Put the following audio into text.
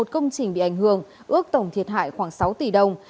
một mươi một công trình bị ảnh hưởng ước tổng thiệt hại khoảng sáu tỷ đồng